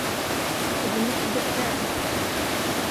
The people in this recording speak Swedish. Det blir mycket bekvämt.